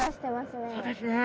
そうですね。